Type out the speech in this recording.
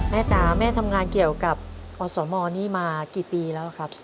จ๋าแม่ทำงานเกี่ยวกับอสมนี่มากี่ปีแล้วครับ